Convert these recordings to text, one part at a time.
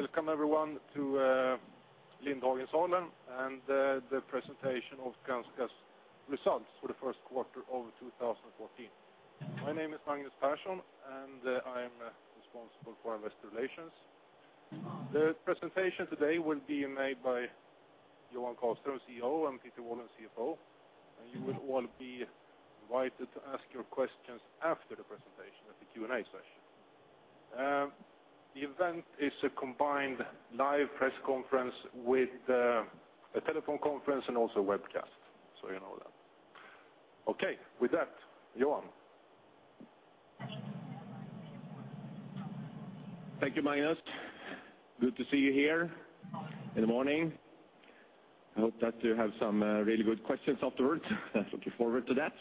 Welcome everyone to Lindhagenssalen and the presentation of Skanska's results for the Q1 of 2014. My name is Magnus Persson, and I'm responsible for investor relations. The presentation today will be made by Johan Karlström, CEO, and Peter Wallin, CFO, and you will all be invited to ask your questions after the presentation at the Q&A session. The event is a combined live press conference with a telephone conference and also a webcast, so you know that. Okay, with that, Johan? Thank you, Magnus. Good to see you here in the morning. I hope that you have some really good questions afterwards. Looking forward to that.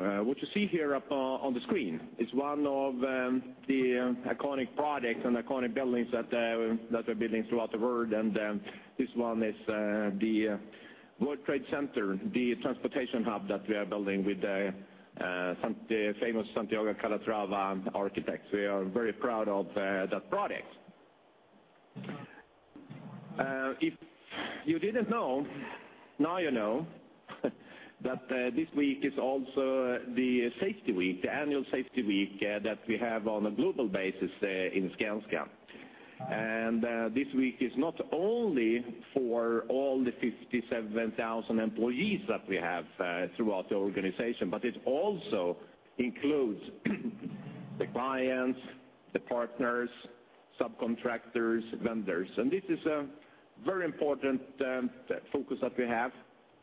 What you see here up on the screen is one of the iconic products and iconic buildings that we're building throughout the world, and this one is the World Trade Center Transportation Hub that we are building with the famous Santiago Calatrava architects. We are very proud of that product. If you didn't know, now you know, that this week is also the Safety Week, the annual Safety Week that we have on a global basis in Skanska. This week is not only for all the 57,000 employees that we have throughout the organization, but it also includes the clients, the partners, subcontractors, vendors, and this is a very important focus that we have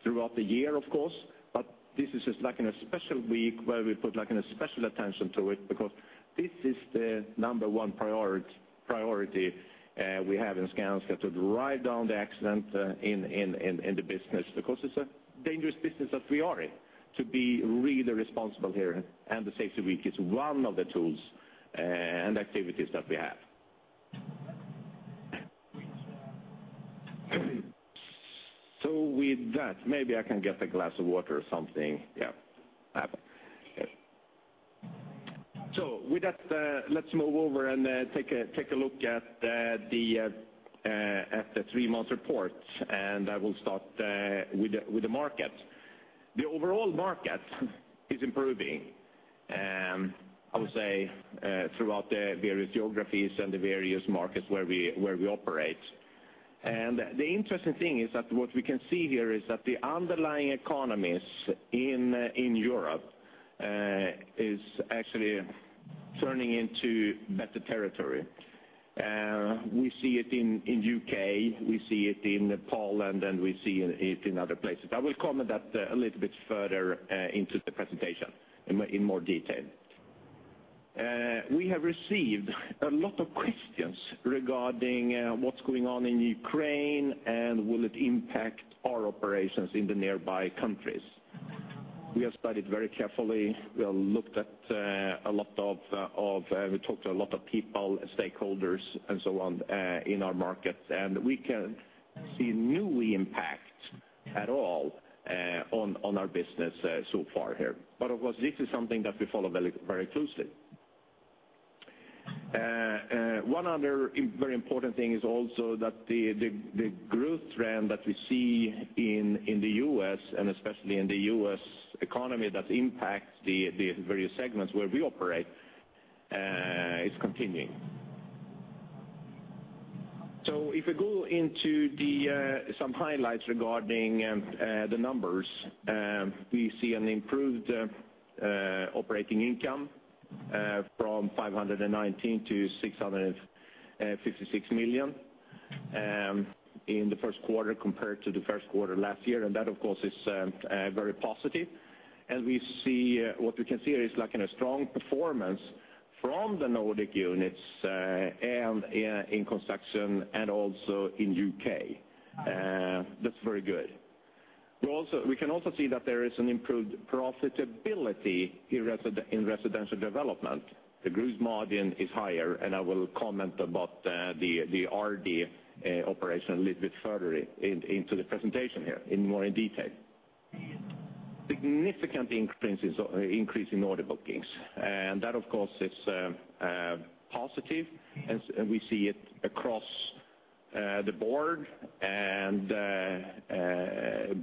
throughout the year, of course, but this is just like an special week where we put, like, an special attention to it, because this is the number one priority, priority we have in Skanska, to drive down the accident in the business. Because it's a dangerous business that we are in, to be really responsible here, and the Safety Week is one of the tools and activities that we have. So with that, maybe I can get a glass of water or something. Yeah. So with that, let's move over and take a look at the three-month report, and I will start with the market. The overall market is improving, I would say, throughout the various geographies and the various markets where we operate. And the interesting thing is that what we can see here is that the underlying economies in Europe is actually turning into better territory. We see it in U.K., we see it in Poland, and we see it in other places. I will comment that a little bit further into the presentation in more detail. We have received a lot of questions regarding what's going on in Ukraine, and will it impact our operations in the nearby countries? We have studied very carefully. We have looked at a lot of we talked to a lot of people, stakeholders, and so on, in our market, and we can see no impact at all on our business so far here. But of course, this is something that we follow very, very closely. One other important thing is also that the growth trend that we see in the U.S., and especially in the U.S. economy, that impacts the various segments where we operate, is continuing. So if we go into some highlights regarding the numbers, we see an improved operating income from 519 million to 656 million in the Q1 compared to the Q1 last year, and that, of course, is very positive. We see what we can see is, like, in a strong performance from the Nordic units, and in construction and also in the U.K. That's very good. We can also see that there is an improved profitability in residential development. The gross margin is higher, and I will comment about the RD operation a little bit further into the presentation here, in more detail. Significant increase in order bookings, and that, of course, is positive, and we see it across the board and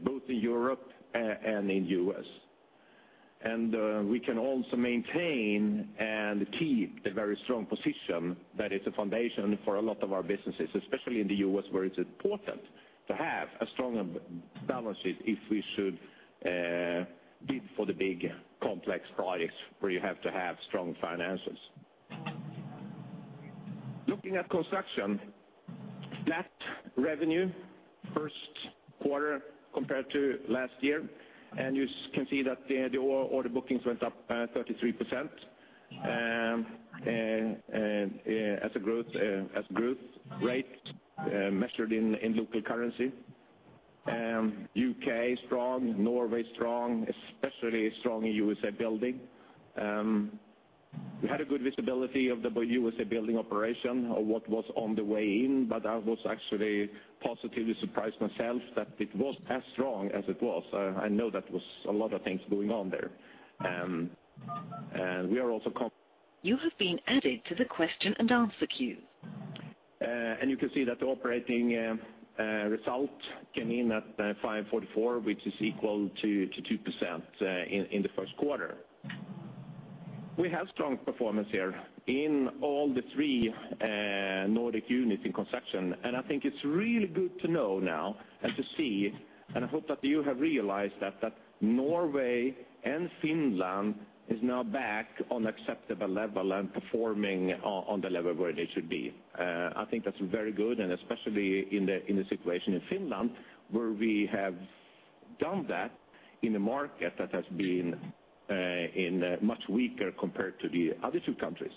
both in Europe and in the U.S. We can also maintain and keep the very strong position that is a foundation for a lot of our businesses, especially in the U.S., where it's important to have a strong balance sheet if we should bid for the big, complex projects where you have to have strong finances. Looking at construction net revenue, Q1 compared to last year, and you can see that the order bookings went up 33%, as a growth rate, measured in local currency. U.K., strong, Norway, strong, especially strong in USA Building. We had a good visibility of the USA Building operation, of what was on the way in, but I was actually positively surprised myself that it was as strong as it was. I know that was a lot of things going on there. You have been added to the question and answer queue. You can see that the operating result came in at 544, which is equal to 2% in the Q1. We have strong performance here in all the three Nordic units in construction, and I think it's really good to know now, and to see, and I hope that you have realized that Norway and Finland is now back on acceptable level and performing on the level where they should be. I think that's very good, and especially in the situation in Finland, where we have done that in a market that has been much weaker compared to the other two countries.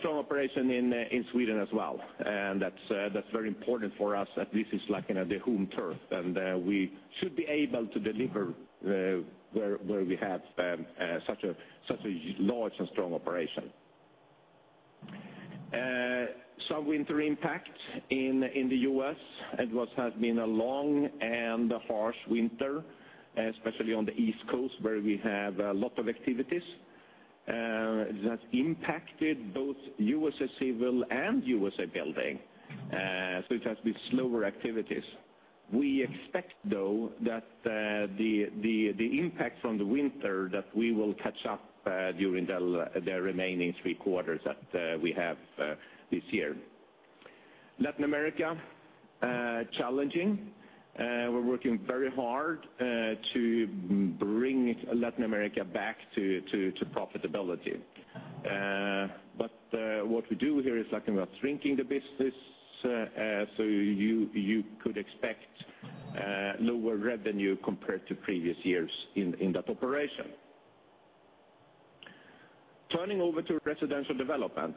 Strong operation in Sweden as well, and that's very important for us, that this is like in a the home turf, and we should be able to deliver, where we have such a large and strong operation. Some winter impact in the US, it was has been a long and harsh winter, especially on the East Coast, where we have a lot of activities. That's impacted both USA Civil and USA Building, so it has been slower activities. We expect, though, that the impact from the winter, that we will catch up during the remaining three quarters that we have this year. Latin America challenging. We're working very hard to bring Latin America back to profitability. But what we do here is talking about shrinking the business, so you could expect lower revenue compared to previous years in that operation. Turning over to residential development.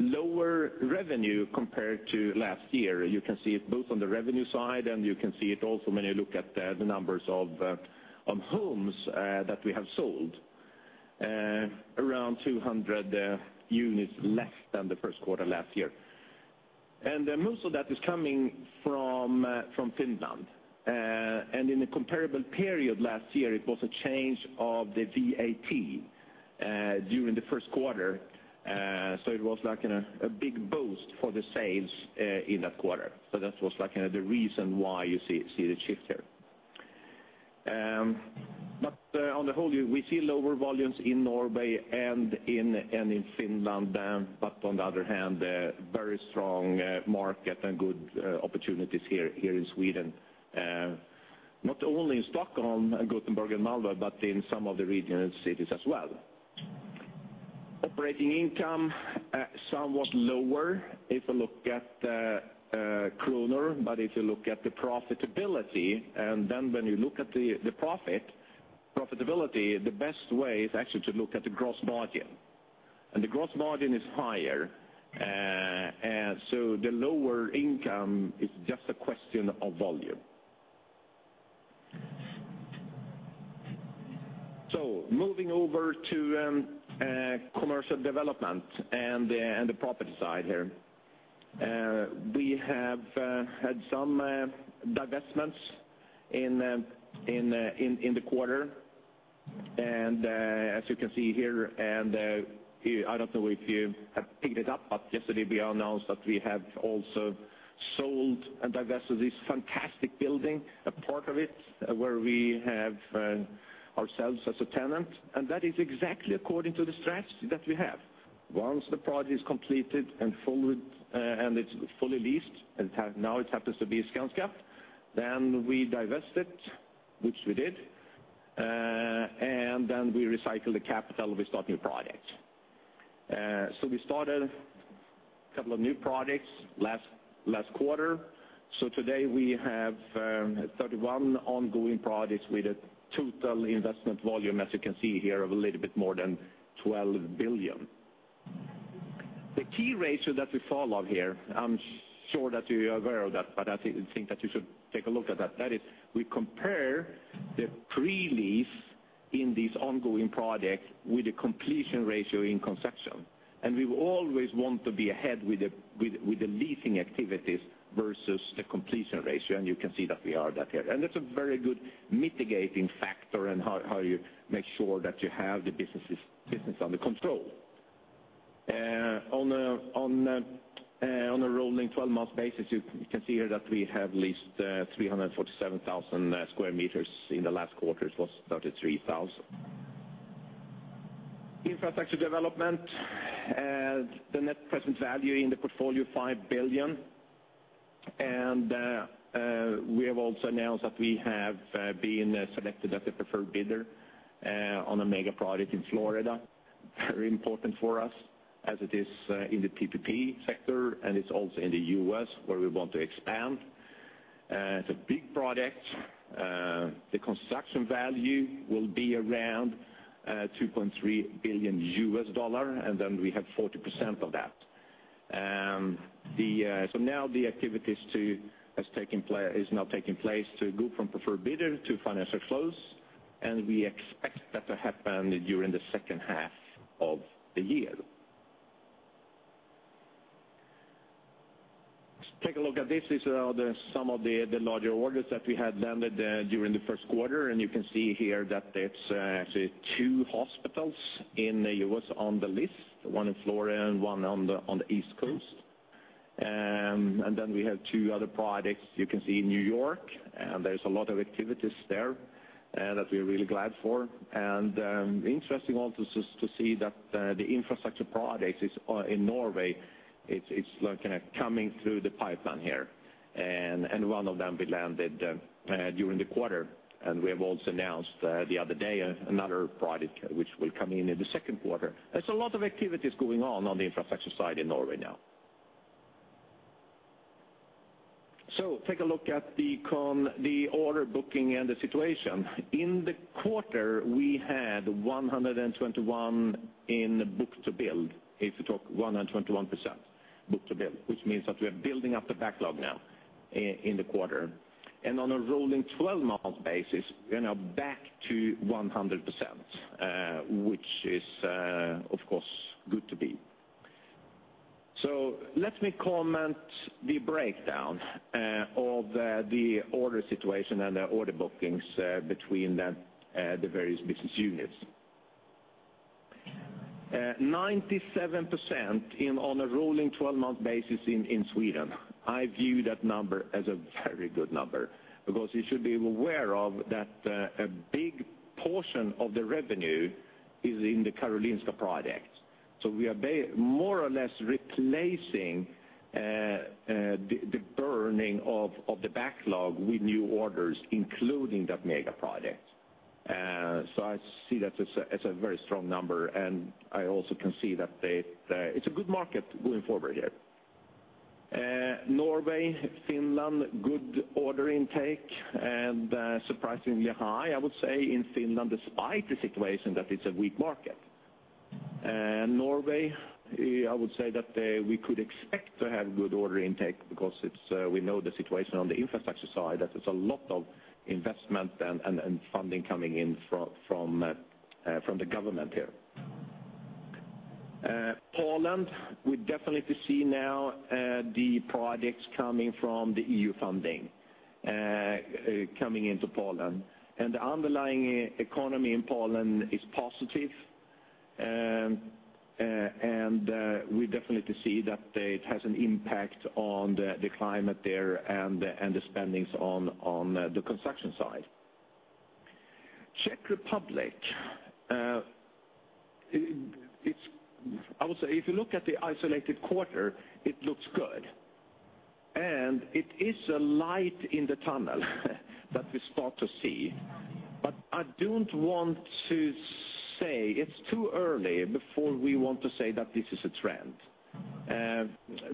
Lower revenue compared to last year. You can see it both on the revenue side, and you can see it also when you look at the numbers of homes that we have sold. Around 200 units less than the Q1 last year. And most of that is coming from Finland. And in a comparable period last year, it was a change of the VAT during the Q1. So it was like, you know, a big boost for the sales in that quarter. So that was like the reason why you see the shift here. But on the whole, we see lower volumes in Norway and in Finland, but on the other hand, a very strong market and good opportunities here in Sweden. Not only in Stockholm, Gothenburg, and Malmö, but in some of the regional cities as well. Operating income somewhat lower if you look at the kroner, but if you look at the profitability, and then when you look at the profitability, the best way is actually to look at the gross margin. And the gross margin is higher, and so the lower income is just a question of volume. So moving over to commercial development and the property side here. We have had some divestments in the quarter. As you can see here, I don't know if you have picked it up, but yesterday we announced that we have also sold and divested this fantastic building, a part of it, where we have ourselves as a tenant, and that is exactly according to the strategy that we have. Once the project is completed and fully, and it's fully leased, and time- now it happens to be Skanska, then we divest it, which we did, and then we recycle the capital, we start new projects. So we started a couple of new projects last quarter. So today we have 31 ongoing projects with a total investment volume, as you can see here, of a little bit more than 12 billion. The key ratio that we follow here, I'm sure that you are aware of that, but I think that you should take a look at that. That is, we compare the pre-lease in these ongoing projects with the completion ratio in conception. We will always want to be ahead with the leasing activities versus the completion ratio, and you can see that we are that here. That's a very good mitigating factor in how you make sure that you have the business under control. On a rolling 12-month basis, you can see here that we have leased 347,000 square meters. In the last quarter, it was 33,000. Infrastructure development, the net present value in the portfolio, 5 billion. We have also announced that we have been selected as the preferred bidder on a mega project in Florida. Very important for us, as it is in the PPP sector, and it's also in the U.S., where we want to expand. It's a big project. The construction value will be around $2.3 billion, and then we have 40% of that. So now the activities is now taking place to go from preferred bidder to financial close, and we expect that to happen during the second half of the year. Take a look at this. These are some of the larger orders that we had landed during the Q1, and you can see here that it's two hospitals in the U.S. on the list, one in Florida and one on the East Coast. And then we have two other projects you can see in New York, and there's a lot of activities there that we're really glad for. And interesting also is to see that the infrastructure projects is in Norway. It's looking at coming through the pipeline here. And one of them we landed during the quarter, and we have also announced the other day another project which will come in the Q2. There's a lot of activities going on on the infrastructure side in Norway now. So take a look at the order booking and the situation. In the quarter, we had 121 in book-to-build, if you took 121% book-to-build, which means that we are building up the backlog now, in the quarter. And on a rolling 12-month basis, we're now back to 100%, which is, of course, good to be. So let me comment the breakdown of the order situation and the order bookings between the various business units. 97% in, on a rolling 12-month basis in Sweden, I view that number as a very good number, because you should be aware of that, a big portion of the revenue is in the Karolinska project. So we are more or less replacing the burning of the backlog with new orders, including that mega project. So I see that as a very strong number, and I also can see that it's a good market going forward here. Norway, Finland, good order intake, and surprisingly high, I would say, in Finland, despite the situation, that it's a weak market. Norway, I would say that we could expect to have good order intake because we know the situation on the infrastructure side, that there's a lot of investment and funding coming in from the government here. Poland, we definitely see now the projects coming from the EU funding coming into Poland. And the underlying economy in Poland is positive, and we definitely see that it has an impact on the climate there and the spendings on the construction side. Czech Republic, it's—I would say, if you look at the isolated quarter, it looks good, and it is a light in the tunnel that we start to see. But I don't want to say, it's too early before we want to say that this is a trend.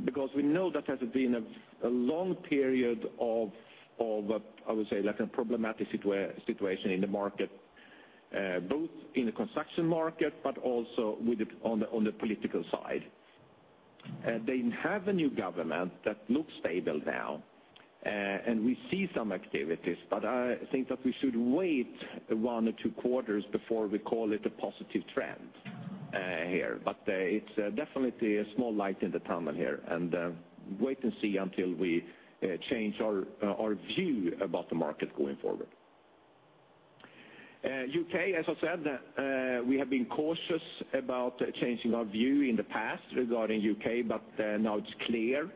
Because we know that there's been a long period of, I would say, like a problematic situation in the market, both in the construction market, but also on the political side. They have a new government that looks stable now, and we see some activities, but I think that we should wait one or two quarters before we call it a positive trend here. But, it's definitely a small light in the tunnel here, and wait and see until we change our view about the market going forward. U.K., as I said, we have been cautious about changing our view in the past regarding U.K., but now it's clear.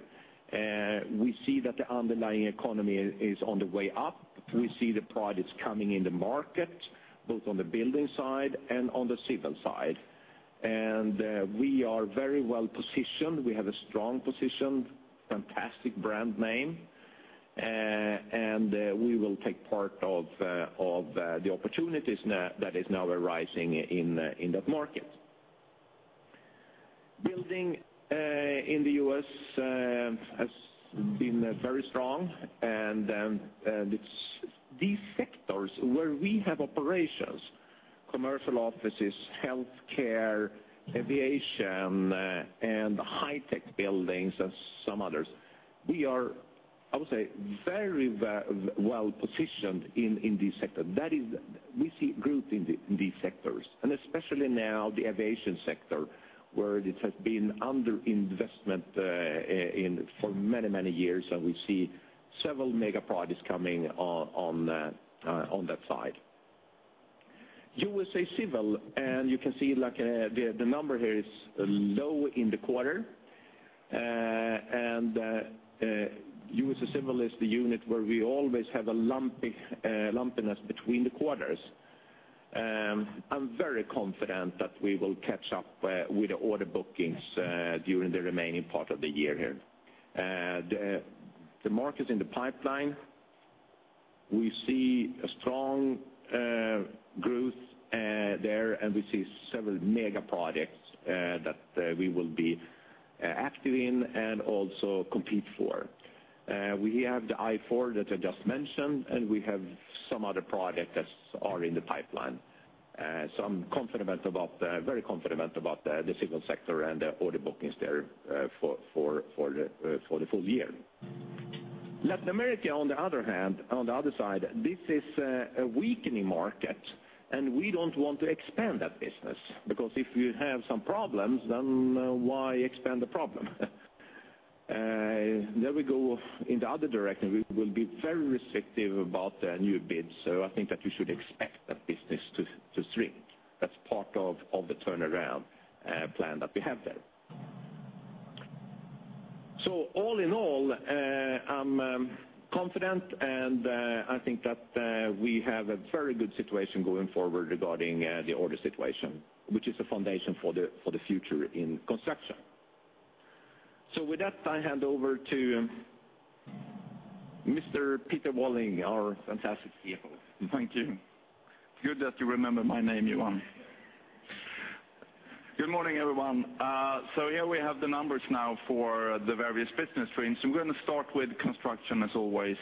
We see that the underlying economy is on the way up. We see the projects coming in the market, both on the building side and on the civil side. And, we are very well positioned. We have a strong position, fantastic brand name, and we will take part of the opportunities now that is now arising in that market. Building in the U.S. has been very strong, and it's these sectors where we have operations, commercial offices, healthcare, aviation, and high-tech buildings and some others, we are, I would say, very well, well positioned in these sector. That is, we see growth in these sectors, and especially now the aviation sector, where it has been under investment for many, many years, and we see several mega projects coming on that side. USA Civil, and you can see, like, the number here is low in the quarter. USA Civil is the unit where we always have a lumpy lumpiness between the quarters. I'm very confident that we will catch up with the order bookings during the remaining part of the year here. The markets in the pipeline, we see a strong growth there, and we see several mega projects that we will be active in and also compete for. We have the I-4 that I just mentioned, and we have some other projects that are in the pipeline. So I'm very confident about the civil sector and the order bookings there for the full year. Latin America, on the other hand, on the other side, this is a weakening market, and we don't want to expand that business, because if you have some problems, then why expand the problem? There we go in the other direction, we will be very restrictive about the new bids, so I think that you should expect that business to shrink. That's part of the turnaround plan that we have there. So all in all, I'm confident, and I think that we have a very good situation going forward regarding the order situation, which is the foundation for the future in construction. So with that, I hand over to Mr. Peter Wallin, our fantastic CFO. Thank you. Good that you remember my name, Johan. Good morning, everyone. So here we have the numbers now for the various business streams. I'm gonna start with construction, as always.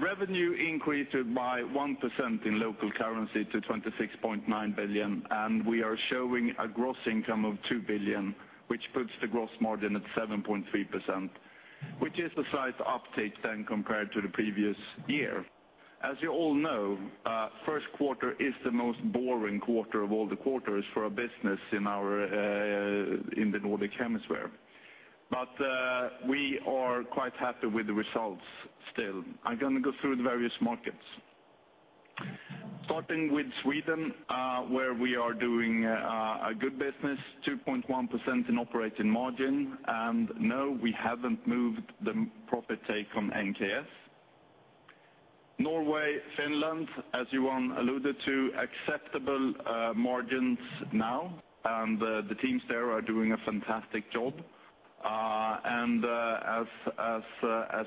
Revenue increased by 1% in local currency to 26.9 billion, and we are showing a gross income of 2 billion, which puts the gross margin at 7.3%, which is a slight uptick then compared to the previous year. As you all know, Q1 is the most boring quarter of all the quarters for a business in our, in the Nordic hemisphere. But, we are quite happy with the results still. I'm gonna go through the various markets. Starting with Sweden, where we are doing, a good business, 2.1% in operating margin, and no, we haven't moved the profit take on NKS. Norway, Finland, as Johan alluded to, acceptable margins now, and the teams there are doing a fantastic job. As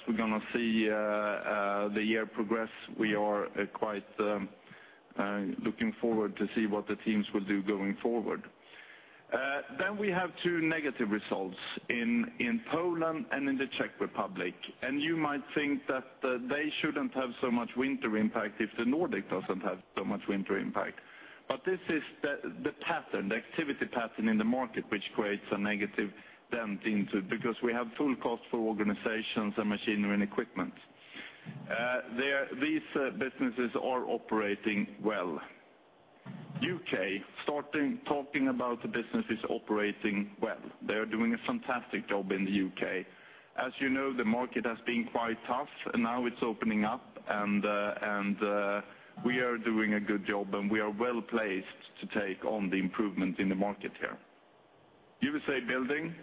we're gonna see the year progress, we are quite looking forward to see what the teams will do going forward. Then we have two negative results in Poland and in the Czech Republic, and you might think that they shouldn't have so much winter impact if the Nordic doesn't have so much winter impact. But this is the pattern, the activity pattern in the market, which creates a negative dent into because we have full cost for organizations and machinery and equipment. These businesses are operating well. U.K., starting talking about the businesses operating well. They are doing a fantastic job in the U.K. As you know, the market has been quite tough, and now it's opening up, and we are doing a good job, and we are well-placed to take on the improvement in the market here. USA Building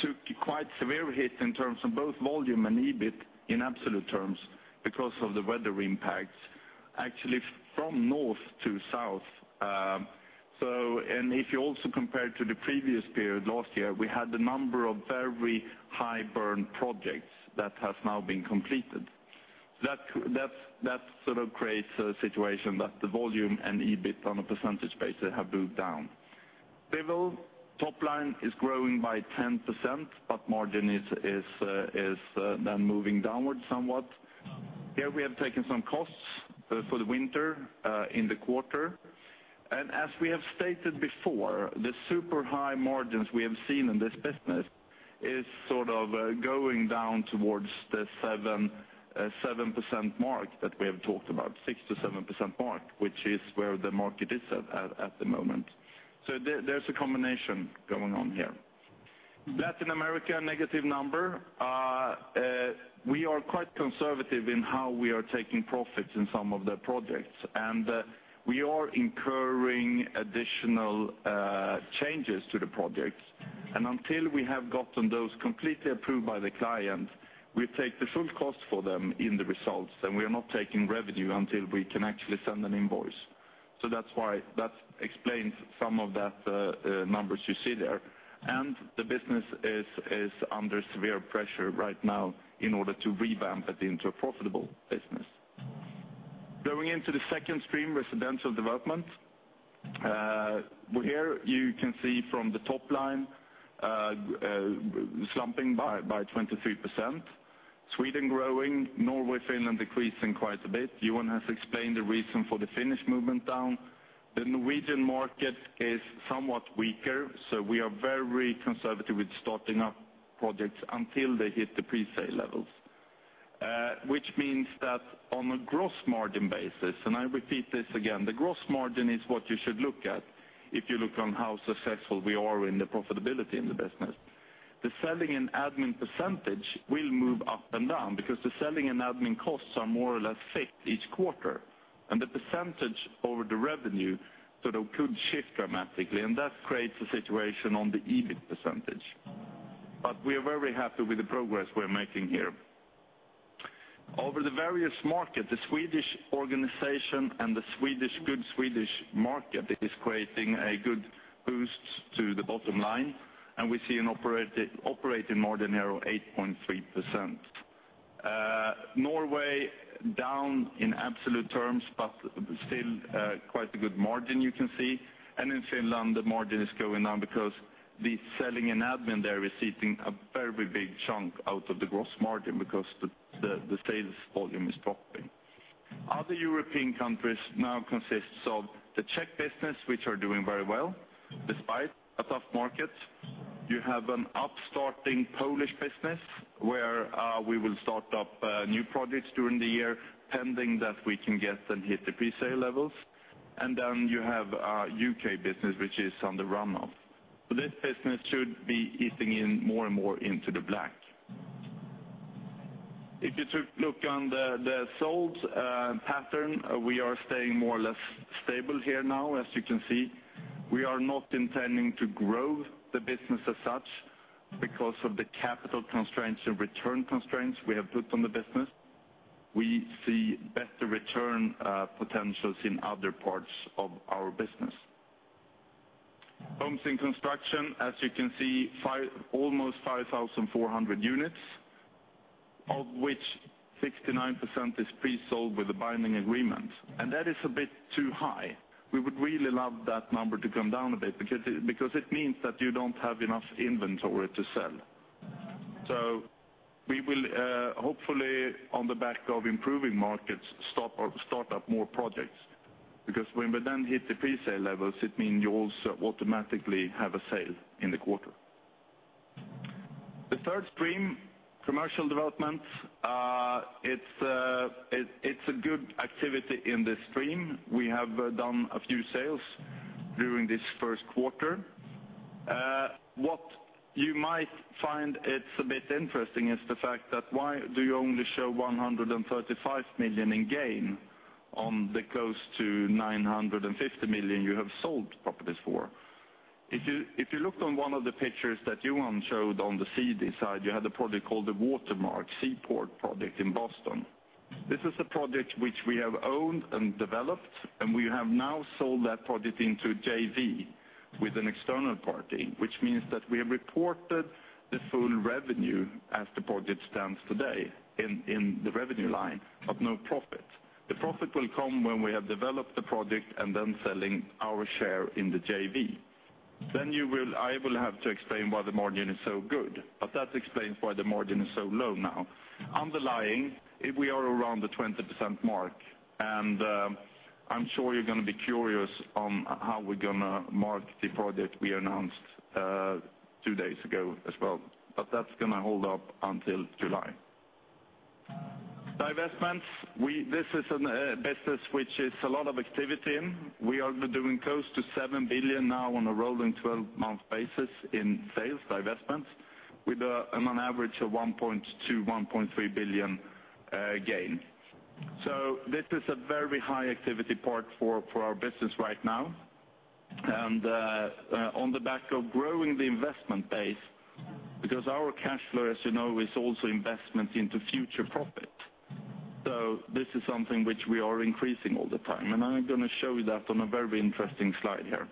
took a quite severe hit in terms of both volume and EBIT in absolute terms because of the weather impacts, actually from north to south. If you also compare to the previous period last year, we had a number of very high-burn projects that has now been completed. That sort of creates a situation that the volume and EBIT on a percentage basis have moved down. Civil, top line is growing by 10%, but margin is then moving downward somewhat. Here we have taken some costs for the winter in the quarter. As we have stated before, the super high margins we have seen in this business is sort of going down towards the 7% mark that we have talked about, 6%-7% mark, which is where the market is at the moment. So there, there's a combination going on here. Latin America, negative number. We are quite conservative in how we are taking profits in some of the projects, and we are incurring additional changes to the projects. And until we have gotten those completely approved by the client, we take the full cost for them in the results, and we are not taking revenue until we can actually send an invoice. So that's why that explains some of that numbers you see there. The business is under severe pressure right now in order to revamp it into a profitable business. Going into the second stream, residential development, well, here you can see from the top line, slumping by 23%. Sweden growing, Norway, Finland decreasing quite a bit. Johan has explained the reason for the Finnish movement down. The Norwegian market is somewhat weaker, so we are very conservative with starting up projects until they hit the presale levels. Which means that on a gross margin basis, and I repeat this again, the gross margin is what you should look at if you look on how successful we are in the profitability in the business. The selling and admin percentage will move up and down, because the selling and admin costs are more or less fixed each quarter, and the percentage over the revenue sort of could shift dramatically, and that creates a situation on the EBIT percentage. But we are very happy with the progress we're making here. Over the various market, the Swedish organization and the Swedish, good Swedish market is creating a good boost to the bottom line, and we see an operating margin here of 8.3%. Norway down in absolute terms, but still, quite a good margin, you can see. And in Finland, the margin is going down because the selling and admin there is eating a very big chunk out of the gross margin because the sales volume is dropping. Other European countries now consists of the Czech business, which are doing very well, despite a tough market. You have an upstarting Polish business, where, we will start up, new projects during the year, pending that we can get and hit the pre-sale levels. And then you have a UK business, which is on the run-off. So this business should be easing in more and more into the black. If you took look on the, the sold, pattern, we are staying more or less stable here now, as you can see. We are not intending to grow the business as such because of the capital constraints and return constraints we have put on the business. We see better return, potentials in other parts of our business. Homes in construction, as you can see, almost 5,400 units, of which 69% is pre-sold with a binding agreement. That is a bit too high. We would really love that number to come down a bit, because it means that you don't have enough inventory to sell. So we will hopefully, on the back of improving markets, stop or start up more projects, because when we then hit the pre-sale levels, it mean you also automatically have a sale in the quarter. The third stream, commercial development, it's a good activity in this stream. We have done a few sales during this Q1. What you might find it's a bit interesting is the fact that why do you only show 135 million in gain on the close to 950 million you have sold properties for? If you, if you looked on one of the pictures that Johan showed on the CD side, you had a project called the Watermark Seaport project in Boston. This is a project which we have owned and developed, and we have now sold that project into JV with an external party, which means that we have reported the full revenue as the project stands today in, in the revenue line, but no profit. The profit will come when we have developed the project and then selling our share in the JV. I will have to explain why the margin is so good, but that explains why the margin is so low now. Underlying, we are around the 20% mark, and I'm sure you're going to be curious on how we're going to mark the project we announced two days ago as well, but that's going to hold up until July. Divestments, this is a business which is a lot of activity in. We are doing close to 7 billion now on a rolling 12-month basis in sales, divestments, with an average of 1.2 billion-1.3 billion gain. So this is a very high activity part for our business right now, and on the back of growing the investment base, because our cash flow, as you know, is also investment into future profit. So this is something which we are increasing all the time, and I'm going to show you that on a very interesting slide here.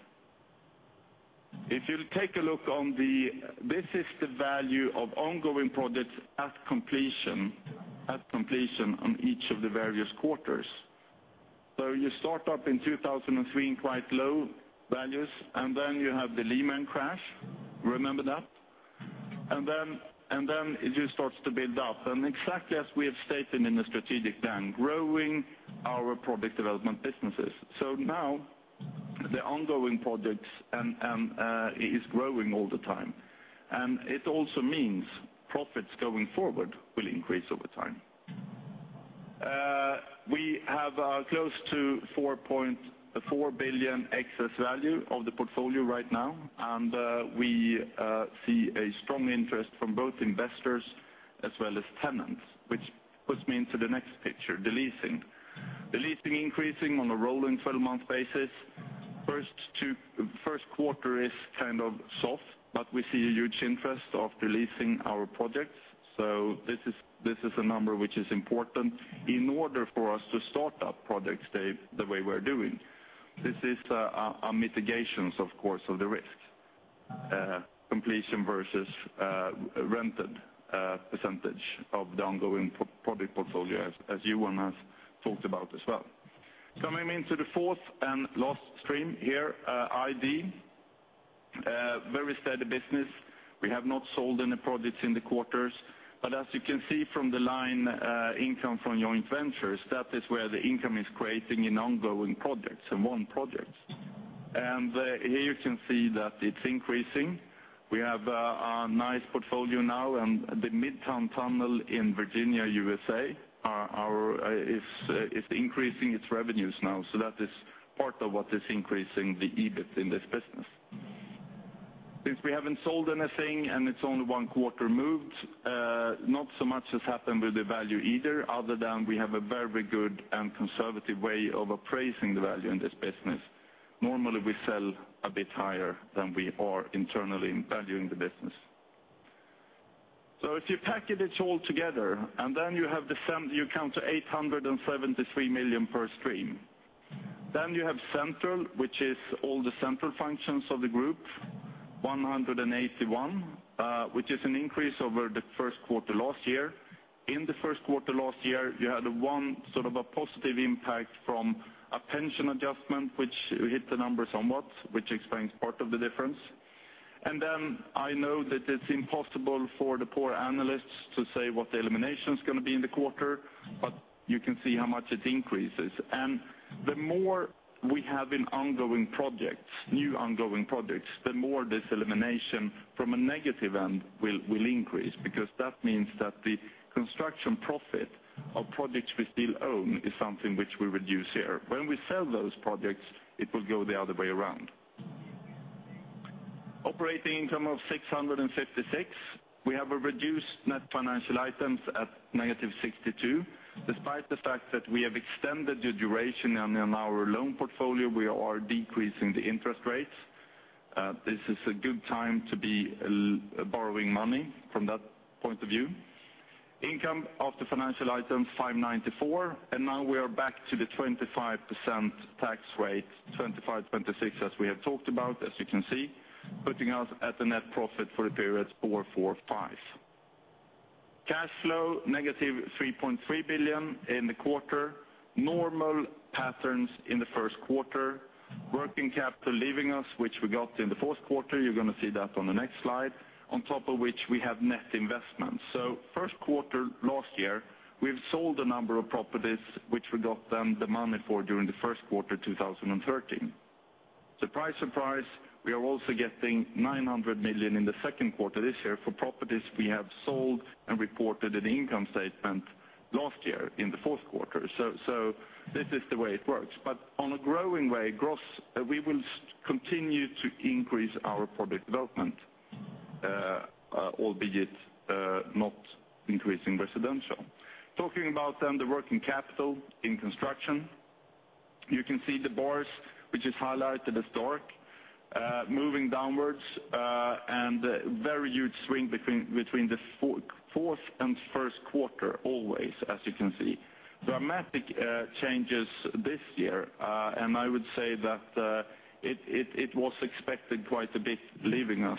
If you'll take a look on the... This is the value of ongoing projects at completion on each of the various quarters. So you start up in 2003, quite low values, and then you have the Lehman crash. Remember that? And then it just starts to build up, and exactly as we have stated in the strategic plan, growing our product development businesses. So now, the ongoing projects and is growing all the time. And it also means profits going forward will increase over time. We have close to 4.4 billion excess value of the portfolio right now, and we see a strong interest from both investors as well as tenants, which puts me into the next picture, the leasing. The leasing increasing on a rolling 12-month basis. Q1 is kind of soft, but we see a huge interest of leasing our projects. So this is a number which is important in order for us to start up projects the way we're doing. This is a mitigations, of course, of the risks, completion versus rented percentage of the ongoing project portfolio, as Johan has talked about as well. Coming into the fourth and last stream here, ID. Very steady business. We have not sold any projects in the quarters, but as you can see from the line, income from joint ventures, that is where the income is creating in ongoing projects, in one projects. Here you can see that it's increasing. We have a nice portfolio now, and the Midtown Tunnel in Virginia, USA, is increasing its revenues now, so that is part of what is increasing the EBIT in this business. Since we haven't sold anything, and it's only one quarter moved, not so much has happened with the value either, other than we have a very good and conservative way of appraising the value in this business. Normally, we sell a bit higher than we are internally valuing the business. So if you package it all together, and then you have the sum, you count to 873 million per stream. Then you have central, which is all the central functions of the group, 181 million, which is an increase over the Q1 last year. In the Q1 last year, you had one sort of a positive impact from a pension adjustment, which hit the number somewhat, which explains part of the difference. And then I know that it's impossible for the poor analysts to say what the elimination is going to be in the quarter, but you can see how much it increases. And the more we have in ongoing projects, new ongoing projects, the more this elimination from a negative end will, will increase, because that means that the construction profit of projects we still own is something which we reduce here. When we sell those projects, it will go the other way around. Operating income of 656. We have a reduced net financial items at -62. Despite the fact that we have extended the duration on, on our loan portfolio, we are decreasing the interest rates. This is a good time to be borrowing money from that point of view. Income after financial items, 594, and now we are back to the 25% tax rate, 25, 26, as we have talked about, as you can see, putting us at a net profit for the period, 445. Cash flow, -3.3 billion in the quarter. Normal patterns in the Q1. Working capital leaving us, which we got in the Q4, you're going to see that on the next slide, on top of which we have net investment. So Q1 last year, we've sold a number of properties which we got them the money for during the Q1, 2013. Surprise, surprise, we are also getting 900 million in the Q2 this year for properties we have sold and reported in the income statement last year in the Q4. So, so this is the way it works. But on a growing way, gross, we will continue to increase our product development, albeit not increasing residential. Talking about then the working capital in construction, you can see the bars, which is highlighted as dark, moving downwards, and a very huge swing between the fourth and Q1, always, as you can see. Dramatic changes this year, and I would say that it was expected quite a bit leaving us,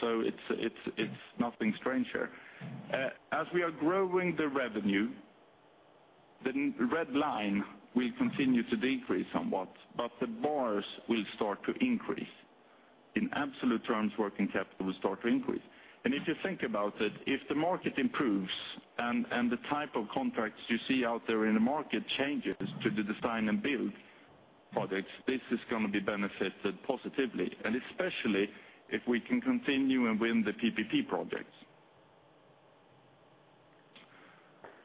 so it's nothing strange here. As we are growing the revenue, the red line will continue to decrease somewhat, but the bars will start to increase. In absolute terms, working capital will start to increase. If you think about it, if the market improves and the type of contracts you see out there in the market changes to the design-build projects, this is going to be benefited positively, and especially if we can continue and win the PPP projects.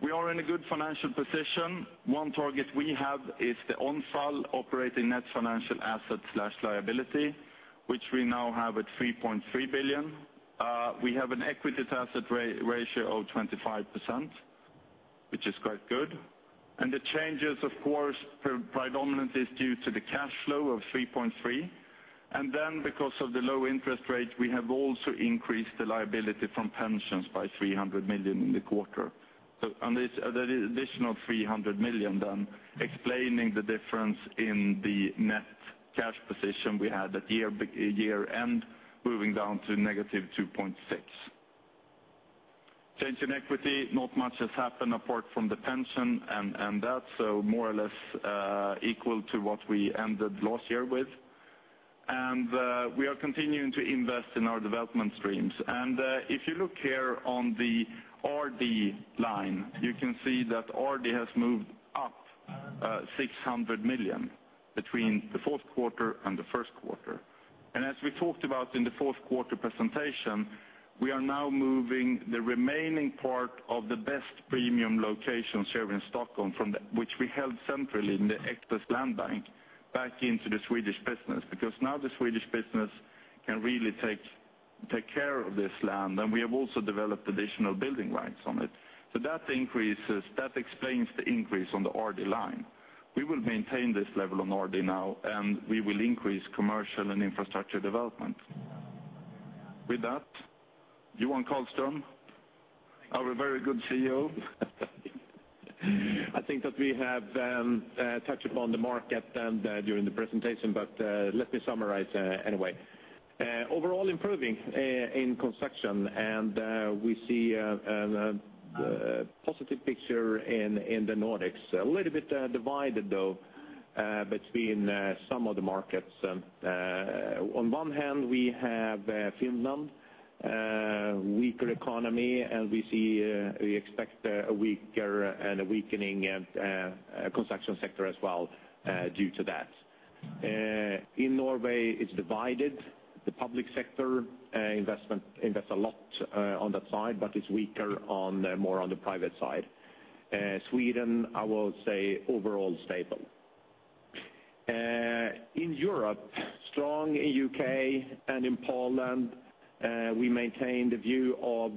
We are in a good financial position. One target we have is the ONFA, operating net financial asset/liability, which we now have at 3.3 billion. We have an equity to asset ratio of 25%, which is quite good. The changes, of course, predominantly are due to the cash flow of 3.3 billion. Because of the low interest rate, we have also increased the liability from pensions by 300 million in the quarter. On this, the additional 300 million then explains the difference in the net cash position we had at year-end, moving down to negative 2.6 billion. Change in equity, not much has happened apart from the pension and that, so more or less equal to what we ended last year with. We are continuing to invest in our development streams. If you look here on the RD line, you can see that RD has moved up 600 million between the Q4 and the Q1. As we talked about in the Q4 presentation, we are now moving the remaining part of the best premium locations here in Stockholm, from which we held centrally in the excess land bank, back into the Swedish business, because now the Swedish business can really take care of this land, and we have also developed additional building rights on it. That increases, that explains the increase on the RD line. We will maintain this level on RD now, and we will increase commercial and infrastructure development. With that, Johan Karlström? Our very good CEO. I think that we have touched upon the market and during the presentation, but let me summarize anyway. Overall improving in construction, and we see a positive picture in the Nordics. A little bit divided, though, between some of the markets. On one hand, we have Finland, weaker economy, and we see we expect a weaker and a weakening construction sector as well due to that. In Norway, it's divided. The public sector investment invests a lot on that side, but it's weaker on the more on the private side. Sweden, I will say overall stable. In Europe, strong in U.K. and in Poland. We maintain the view of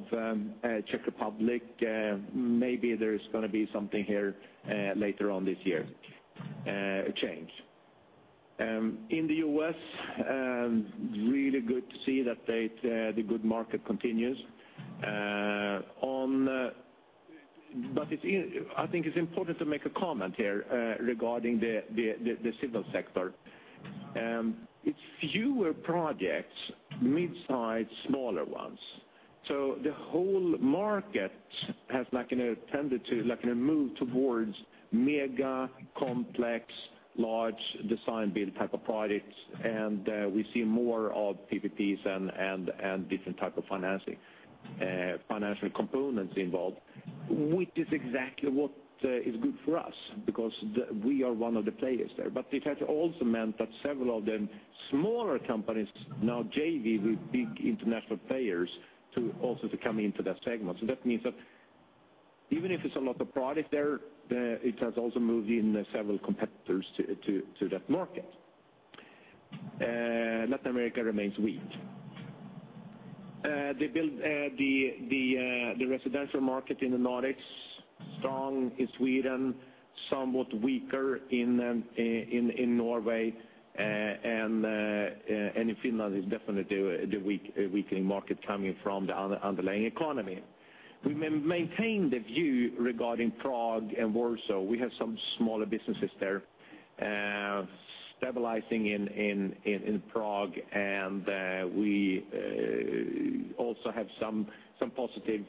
Czech Republic. Maybe there's going to be something here later on this year, a change. In the U.S., really good to see that the good market continues. But I think it's important to make a comment here regarding the civil sector. It's fewer projects, mid-size, smaller ones. So the whole market has like, you know, tended to, like in a move towards mega, complex, large design-build type of projects, and we see more of PPPs and different type of financing financial components involved, which is exactly what is good for us because we are one of the players there. But it has also meant that several of the smaller companies now JV with big international players to also to come into that segment. So that means that even if it's a lot of product there, it has also moved in several competitors to that market. Latin America remains weak. The residential market in the Nordics, strong in Sweden, somewhat weaker in Norway, and in Finland is definitely the weakening market coming from the underlying economy. We maintain the view regarding Prague and Warsaw. We have some smaller businesses there, stabilizing in Prague, and we also have some positive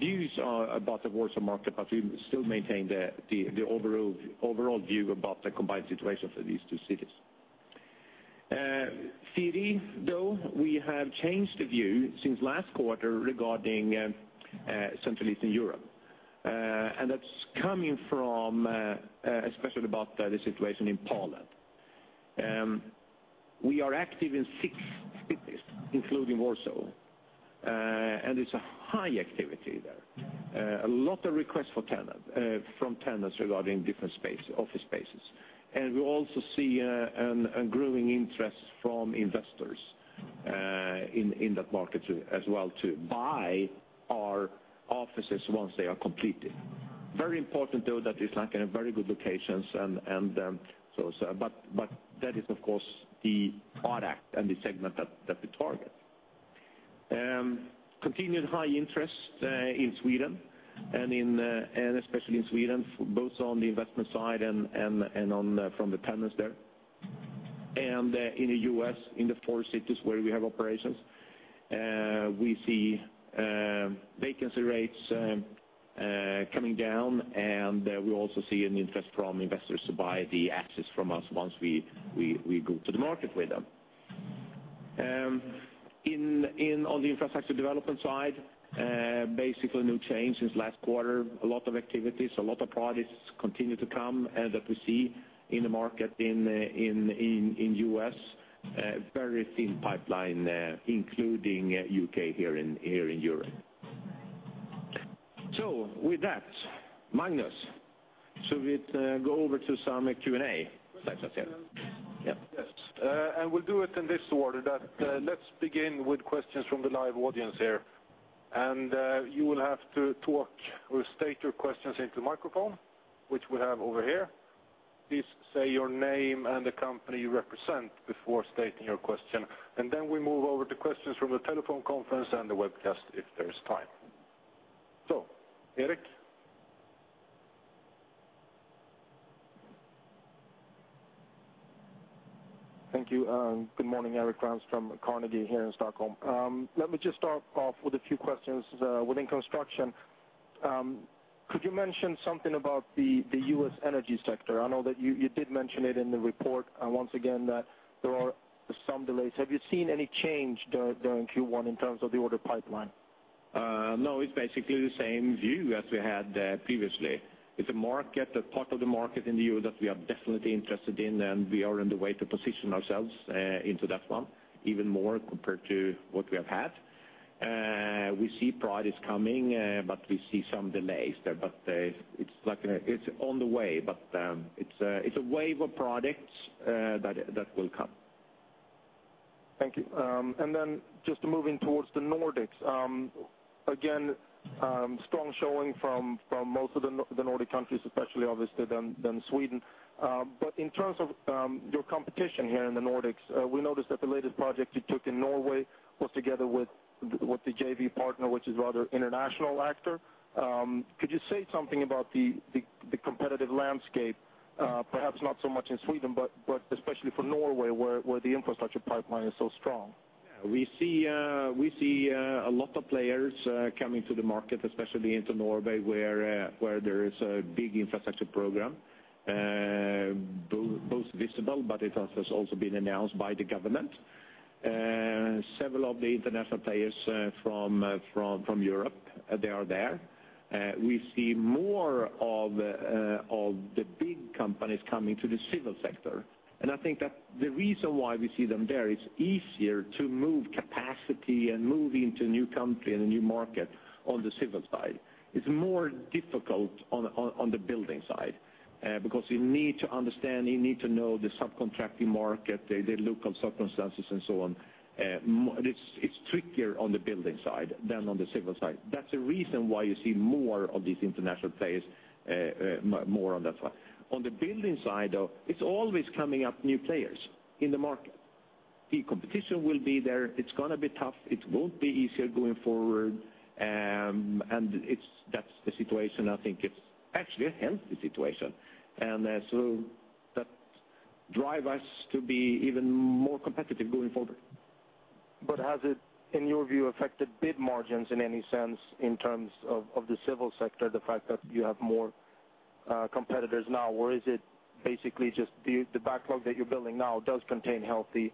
views about the Warsaw market, but we still maintain the overall view about the combined situation for these two cities. Though, we have changed the view since last quarter regarding Central Eastern Europe. And that's coming from especially about the situation in Poland. We are active in six cities, including Warsaw, and it's a high activity there. A lot of requests for tenant from tenants regarding different space, office spaces. And we also see a growing interest from investors in that market as well to buy our offices once they are completed. Very important, though, that it's like in a very good locations and, and, so, so... But that is, of course, the product and the segment that we target. Continued high interest in Sweden and in, and especially in Sweden, both on the investment side and, and, and on the, from the tenants there. And, in the U.S., in the four cities where we have operations, we see vacancy rates coming down, and we also see an interest from investors to buy the assets from us once we go to the market with them. On the infrastructure development side, basically no change since last quarter. A lot of activities, a lot of products continue to come that we see in the market in U.S. Very thin pipeline, including U.K., in Europe. So with that, Magnus, should we go over to some Q&A section here? Yep. Yes, and we'll do it in this order. Let's begin with questions from the live audience here. You will have to talk or state your questions into the microphone, which we have over here. Please say your name and the company you represent before stating your question, and then we move over to questions from the telephone conference and the webcast, if there is time. So, Eric? Thank you, and good morning. Erik Rönnqvist from Carnegie, here in Stockholm. Let me just start off with a few questions within construction. Could you mention something about the U.S. energy sector? I know that you did mention it in the report once again, that there are some delays. Have you seen any change there during Q1 in terms of the order pipeline? No, it's basically the same view as we had previously. It's a market, a part of the market in the U.S. that we are definitely interested in, and we are on the way to position ourselves into that one even more compared to what we have had. We see products coming, but we see some delays there, but it's like a, it's on the way, but it's a wave of products that will come. Thank you. Then just moving towards the Nordics, again, strong showing from most of the Nordic countries, especially obviously than Sweden. In terms of your competition here in the Nordics, we noticed that the latest project you took in Norway was together with the JV partner, which is rather international actor. Could you say something about the competitive landscape? Perhaps not so much in Sweden, but especially for Norway, where the infrastructure pipeline is so strong. Yeah, we see a lot of players coming to the market, especially into Norway, where there is a big infrastructure program, both visible, but it has also been announced by the government. Several of the international players from Europe, they are there. We see more of the big companies coming to the civil sector, and I think that the reason why we see them there, it's easier to move capacity and move into a new country and a new market on the civil side. It's more difficult on the building side, because you need to understand, you need to know the subcontracting market, the local circumstances, and so on. It's trickier on the building side than on the civil side. That's the reason why you see more of these international players, more on that side. On the building side, though, it's always coming up new players in the market. The competition will be there. It's gonna be tough. It won't be easier going forward, and it's, that's the situation. I think it's actually a healthy situation. And, so that drive us to be even more competitive going forward. But has it, in your view, affected bid margins in any sense in terms of, of the civil sector, the fact that you have more competitors now? Or is it basically just the backlog that you're building now does contain healthy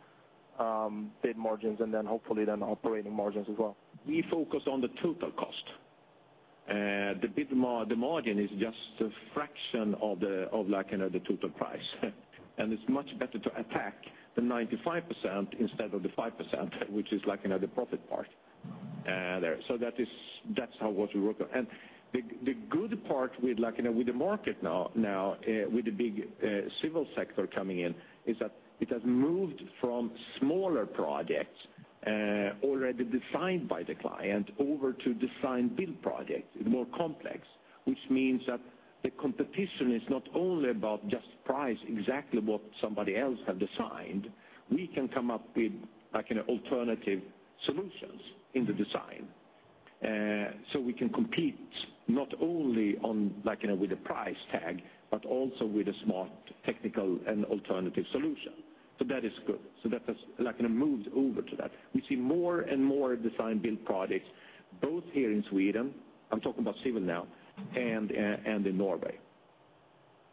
bid margins, and then hopefully then operating margins as well? We focus on the total cost. The bid margin is just a fraction of the, of like, you know, the total price. And it's much better to attack the 95% instead of the 5%, which is like, you know, the profit part there. So that's how, what we work on. And the good part with like, you know, with the market now with the big civil sector coming in, is that it has moved from smaller projects already designed by the client, over to design-build projects, more complex. Which means that the competition is not only about just price, exactly what somebody else have designed. We can come up with, like, you know, alternative solutions in the design. So we can compete not only on, like, you know, with the price tag, but also with a smart, technical, and alternative solution. So that is good. So that has, like, kind of moved over to that. We see more and more design-build projects, both here in Sweden, I'm talking about civil now, and, and in Norway.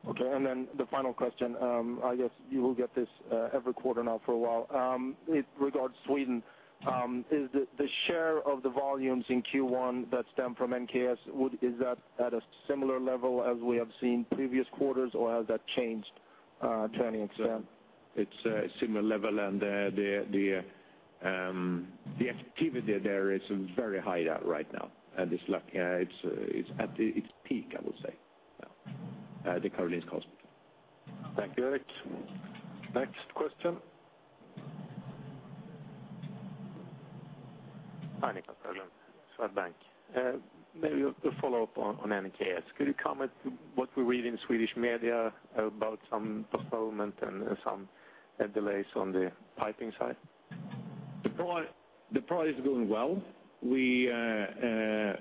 Okay, and then the final question, I guess you will get this, every quarter now for a while. It regards Sweden. Is the share of the volumes in Q1 that stem from NKS at a similar level as we have seen previous quarters, or has that changed to any extent? It's a similar level, and the activity there is very high there right now, and it's like, it's at its peak, I would say, yeah. The current cost. Thank you, Erik. Next question? Hi, Niclas Höglund, Swedbank. Maybe to follow up on NKS. Could you comment what we read in Swedish media about some postponement and some delays on the piping side? The project is going well. We are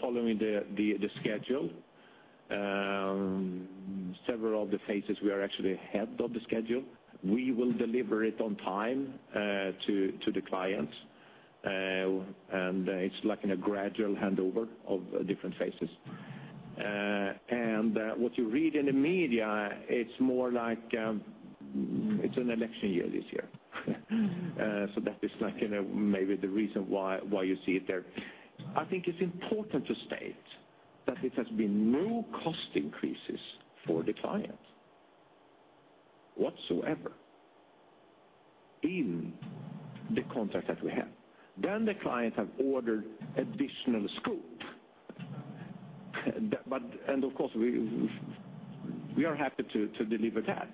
following the schedule. Several of the phases we are actually ahead of the schedule. We will deliver it on time to the clients. And it's like in a gradual handover of different phases. And what you read in the media, it's more like... It's an election year this year. So that is like, you know, maybe the reason why you see it there. I think it's important to state that there has been no cost increases for the client whatsoever in the contract that we have. Then the client have ordered additional scope. But and of course, we are happy to deliver that.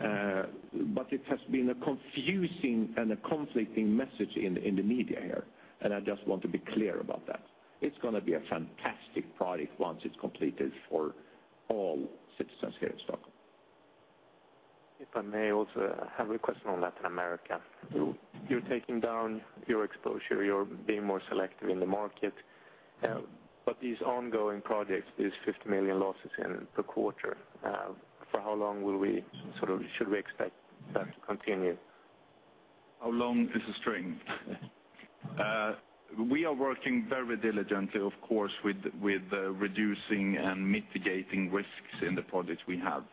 But it has been a confusing and a conflicting message in the media here, and I just want to be clear about that. It's gonna be a fantastic project once it's completed for all citizens here in Stockholm. If I may also have a question on Latin America. You're taking down your exposure, you're being more selective in the market, but these ongoing projects, these 50 million losses in the quarter, for how long will we, sort of, should we expect that to continue? How long is a string? We are working very diligently, of course, with reducing and mitigating risks in the projects we have.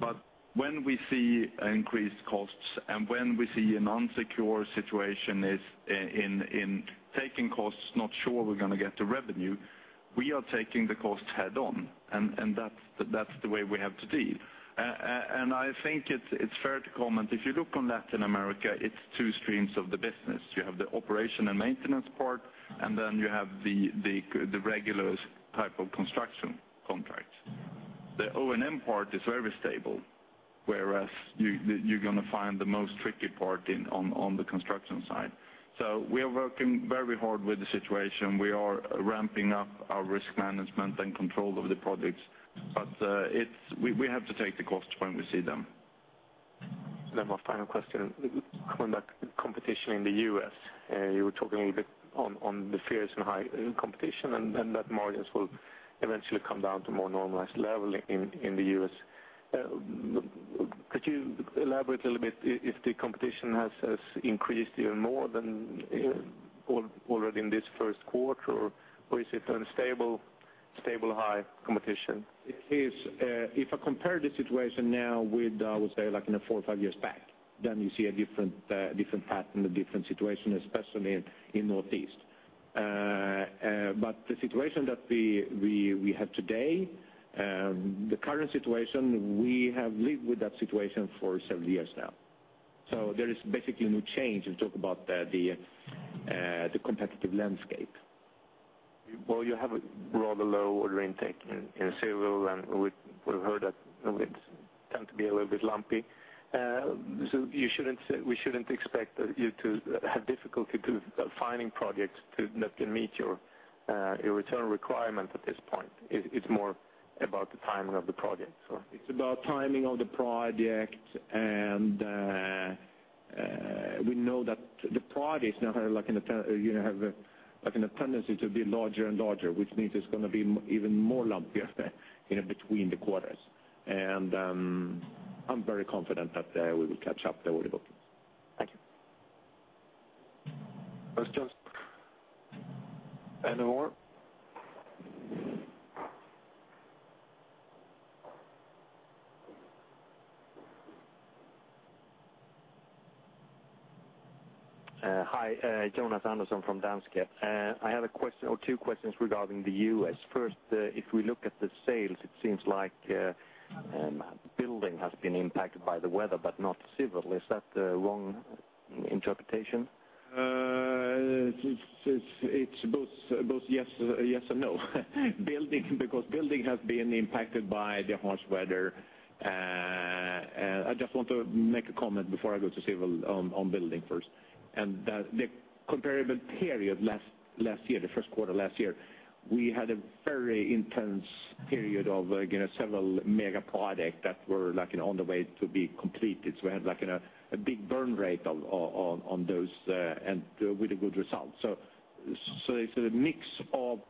But when we see increased costs, and when we see an unsecure situation in taking costs, not sure we're going to get the revenue, we are taking the costs head-on, and that's the way we have to deal. And I think it's fair to comment, if you look on Latin America, it's two streams of the business. You have the operation and maintenance part, and then you have the regulars type of construction contracts. The O&M part is very stable, whereas you're gonna find the most tricky part in on the construction side. So we are working very hard with the situation. We are ramping up our risk management and control of the projects, but it's, we have to take the costs when we see them. Then my final question on that competition in the U.S. You were talking a little bit on the fierce and high competition, and then that margins will eventually come down to more normalized level in the U.S. Could you elaborate a little bit if the competition has increased even more than already in this Q1, or is it unstable, stable, high competition? It is. If I compare the situation now with, I would say, like in four or five years back, then you see a different pattern, a different situation, especially in Northeast. But the situation that we have today, the current situation, we have lived with that situation for several years now. So there is basically no change. We talk about the competitive landscape. Well, you have a rather low order intake in civil, and we've heard that it's tend to be a little bit lumpy. So you shouldn't say—we shouldn't expect you to have difficulty to finding projects to that can meet your your return requirement at this point. It's more about the timing of the project, so? It's about timing of the project and we know that the product is now like in a, you know, have like an a tendency to be larger and larger, which means it's gonna be even more lumpier, you know, between the quarters. And I'm very confident that we will catch up the order bookings. Thank you. Questions? Any more? Hi, Jonas Andersson from Danske. I had a question or two questions regarding the U.S. First, if we look at the sales, it seems like building has been impacted by the weather, but not civil. Is that the wrong interpretation? It's both yes and no. Building, because building has been impacted by the harsh weather. I just want to make a comment before I go to civil, on building first. And the comparable period last year, the Q1 last year, we had a very intense period of, again, several mega projects that were, like, on the way to be completed. So we had, like, a big burn rate on those, and with a good result. So it's a mix of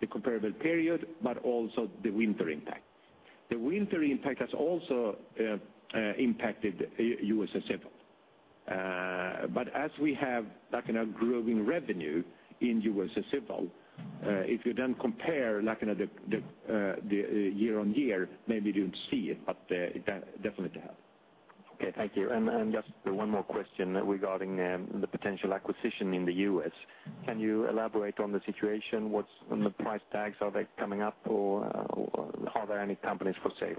the comparable period, but also the winter impact. The winter impact has also impacted U.S. Civil.But as we have, like, in a growing revenue in U.S. Civil, if you then compare, like, you know, the year-over-year, maybe you don't see it, but it definitely happened. Okay, thank you. And just one more question regarding the potential acquisition in the U.S. Can you elaborate on the situation? What's on the price tags? Are they coming up, or are there any companies for sale?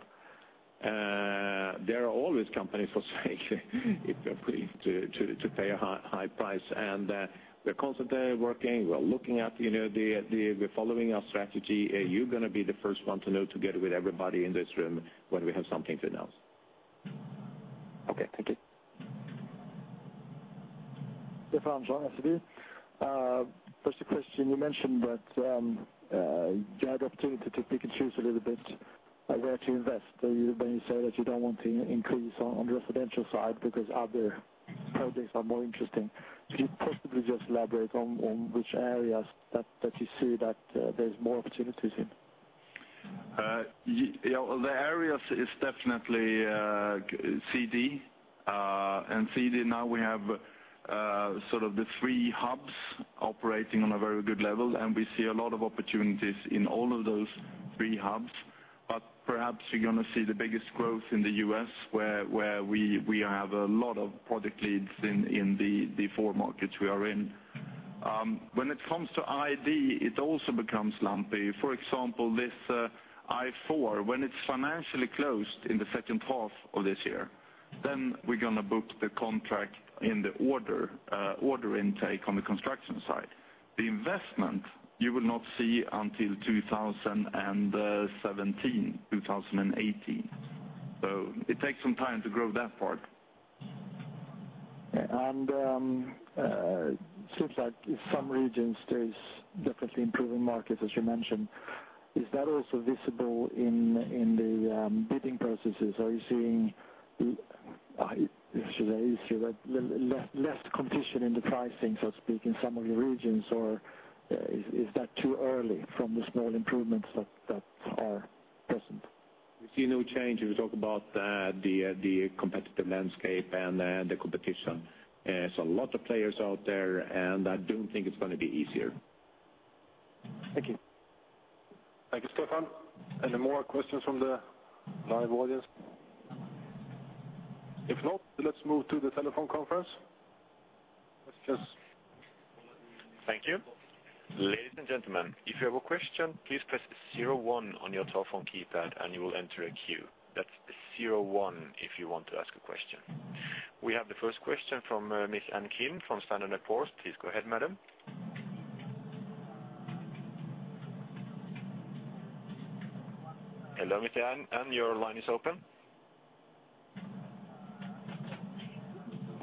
There are always companies for sale, if you're willing to pay a high price. We're constantly working. We're looking at, you know. We're following our strategy. You're gonna be the first one to know, together with everybody in this room, when we have something to announce. Okay, thank you. Stefan Johansson, SEB. First question, you mentioned that you had the opportunity to pick and choose a little bit where to invest. You, when you say that you don't want to increase on the residential side because other projects are more interesting. So can you possibly just elaborate on which areas that you see that there's more opportunities in? Yeah, well, the areas is definitely CD. And CD now we have sort of the three hubs operating on a very good level, and we see a lot of opportunities in all of those three hubs. But perhaps you're gonna see the biggest growth in the U.S., where we have a lot of product leads in the four markets we are in. When it comes to ID, it also becomes lumpy. For example, this I-4, when it's financially closed in the second half of this year, then we're gonna book the contract in the order order intake on the construction side. The investment you will not see until 2017, 2018. So it takes some time to grow that part. Yeah, and seems like in some regions there is definitely improving markets, as you mentioned. Is that also visible in the bidding processes? Are you seeing, should I say, less competition in the pricing, so to speak, in some of the regions, or is that too early from the small improvements that are present? We see no change. We talk about the competitive landscape and the competition. There's a lot of players out there, and I don't think it's gonna be easier. Thank you. Thank you, Stefan. Any more questions from the live audience? If not, let's move to the telephone conference. Questions. Thank you. Ladies and gentlemen, if you have a question, please press zero one on your telephone keypad, and you will enter a queue. That's zero one if you want to ask a question. We have the first question from Mite Ann Kim from Standard & Poor's. Please go ahead, madam. Hello, Mite Ann. Ann, your line is open.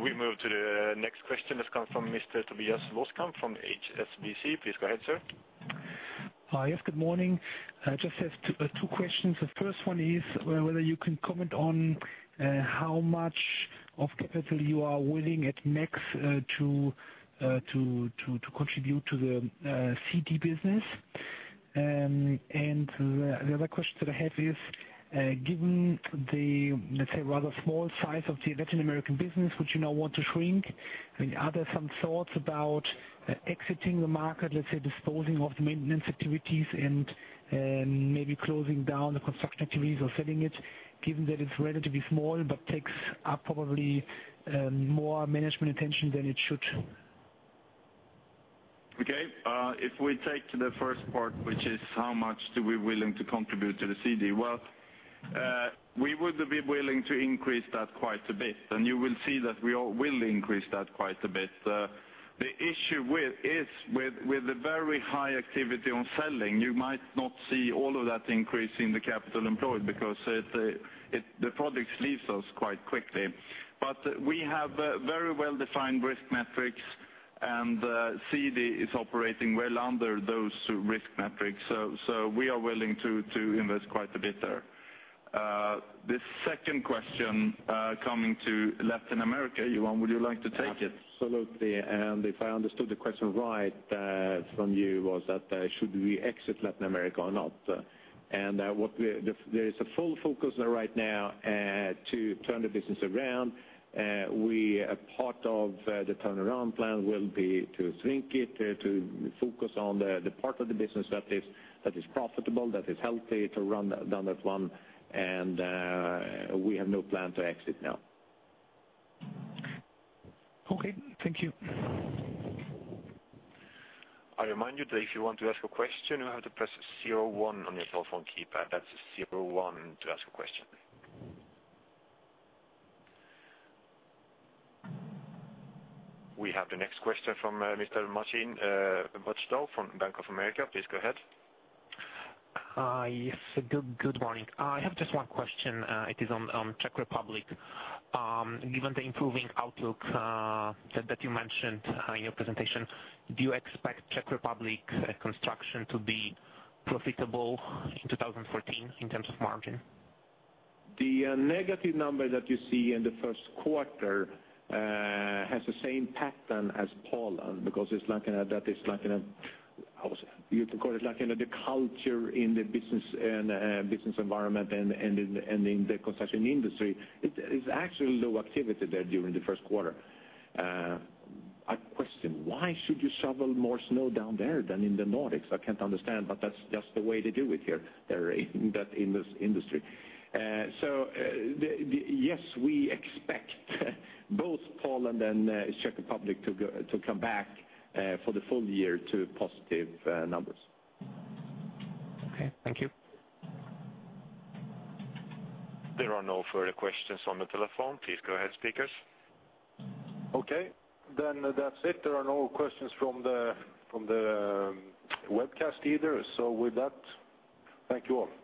We move to the next question that's come from Mr. Tobias Loskamp from HSBC. Please go ahead, sir. Yes, good morning. I just have two questions. The first one is whether you can comment on how much of capital you are willing at max to contribute to the CD business? And the other question that I have is, given the, let's say, rather small size of the Latin American business, which you now want to shrink, I mean, are there some thoughts about exiting the market, let's say, disposing of the maintenance activities and maybe closing down the construction activities or selling it, given that it's relatively small but takes up probably more management attention than it should? Okay, if we take to the first part, which is how much do we willing to contribute to the CD? Well, we would be willing to increase that quite a bit, and you will see that we all will increase that quite a bit. The issue with the very high activity on selling, you might not see all of that increase in the capital employed because it, the products leaves us quite quickly. But we have very well-defined risk metrics. CD is operating well under those risk metrics, so we are willing to invest quite a bit there. The second question, coming to Latin America, Johan, would you like to take it? Absolutely. If I understood the question right, from you, was that should we exit Latin America or not? There is a full focus right now to turn the business around. A part of the turnaround plan will be to shrink it, to focus on the part of the business that is profitable, that is healthy, to run down that one, and we have no plan to exit now. Okay, thank you. I remind you that if you want to ask a question, you have to press zero-one on your telephone keypad. That's zero-one to ask a question. We have the next question from Mr. Martin from Bank of America. Please go ahead. Hi. Yes, good morning. I have just one question. It is on Czech Republic. Given the improving outlook that you mentioned in your presentation, do you expect Czech Republic construction to be profitable in 2014, in terms of margin? The negative number that you see in the Q1 has the same pattern as Poland, because it's like in a, that is like in a, how you can call it, like in the culture, in the business and business environment and, and in, and in the construction industry. It's actually low activity there during the Q1. I question, why should you shovel more snow down there than in the Nordics? I can't understand, but that's just the way they do it here, there in that, in this industry. So the, the... Yes, we expect both Poland and Czech Republic to go, to come back, for the full year to positive numbers. Okay, thank you. There are no further questions on the telephone. Please go ahead, speakers. Okay, then that's it. There are no questions from the webcast either. So with that, thank you, all.